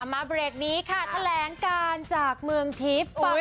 มาเบรกนี้ค่ะแถลงการจากเมืองทิพย์ฟัง